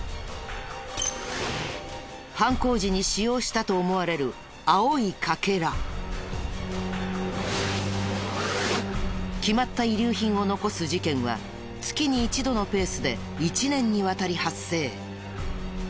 犯行時に使用したと思われる決まった遺留品を残す事件は月に１度のペースで１年にわたり発生。